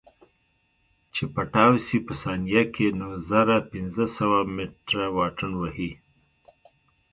چې پټاو سي په ثانيه کښې نو زره پنځه سوه مټره واټن وهي.